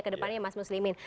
ke depannya mas muslimin